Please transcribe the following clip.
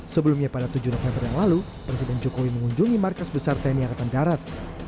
sebelumnya pada tujuh november yang lalu presiden jokowi mengunjungi markas besar tni angkatan darat